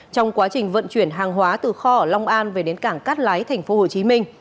trong quá trình vận chuyển hàng hóa từ kho ở long an về đến cảng cát lái tp hcm